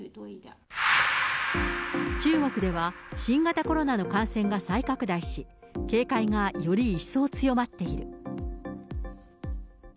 中国では、新型コロナの感染が再拡大し、警戒がより一層強まっている。